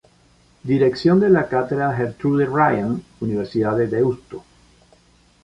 Dirección de la Cátedra Gertrude Ryan Universidad de Deusto.